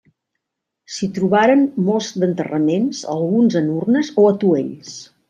S'hi trobaren molts d'enterraments alguns en urnes o atuells.